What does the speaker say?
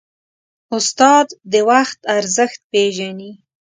استاد د وخت ارزښت پېژني.